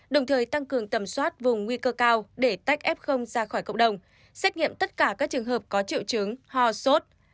đồng thời tăng cường tầm soát vùng nguy cơ cao để tách f ra khỏi cộng đồng xét nghiệm tất cả các trường hợp có triệu chứng ho sốt